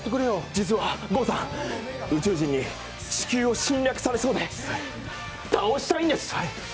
実は郷さん、宇宙人に地球を侵略されそうで、倒したいんです。